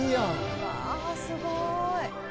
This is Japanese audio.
うわすごーい！